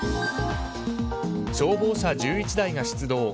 消防車１１台が出動。